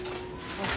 あっ。